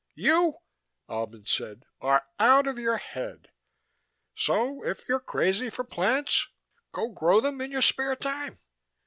"You," Albin said, "are out of your head. So if you're crazy for plants, so grow them in your spare time.